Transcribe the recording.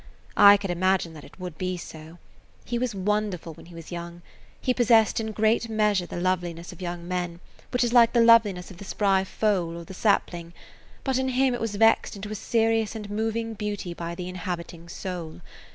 I could imagine that it would [Page 98] be so. He was wonderful when he was young; he possessed in great measure the loveliness of young men, which is like the loveliness of the spry foal or the sapling, but in him it was vexed into a serious and moving beauty by the inhabiting soul.